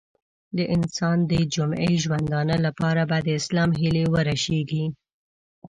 د انسان د جمعي ژوندانه لپاره به د اسلام هیلې ورژېږي.